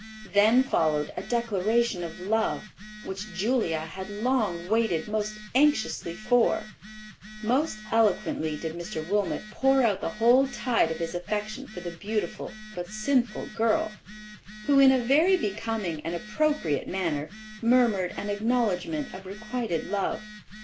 Then followed a declaration of love, which Julia had long waited most anxiously for. Most eloquently did Mr. Wilmot pour out the whole tide of his affection for the beautiful but sinful girl, who, in a very becoming and appropriate manner, murmured an acknowledgment of requited love.